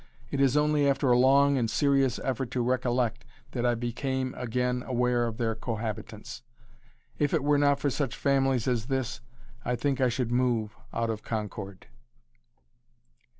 It is only after a long and serious effort to recollect that I became again aware of their cohabitance. If it were not for such families as this I think I should move out of Concord."